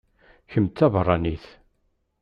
Kemm d tabeṛṛanit?